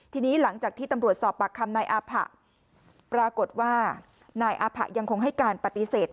ทีนี้หลังจากที่ตำรวจสอบปากคำนายอาผะปรากฏว่านายอาผะยังคงให้การปฏิเสธ